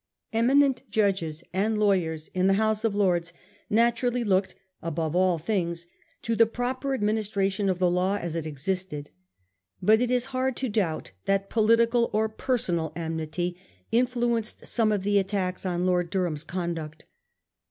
Eminent judges and lawyers in the House of Lords naturally looked above all things to the proper ad ministration of the law as it existed. But it is hard to doubt that political or personal enmity influenced some of the attacks on Lord Durham's conduct.